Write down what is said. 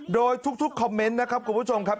โดยทุกคอมเมนต์นะครับคุณผู้ชมครับ